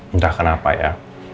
entah kenapa ya